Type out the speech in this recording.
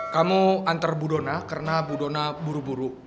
kamu antar budona karena budona buru buru